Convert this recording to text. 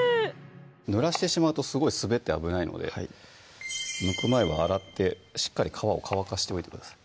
ぬらしてしまうとすごい滑って危ないのでむく前は洗ってしっかり皮を乾かしておいてください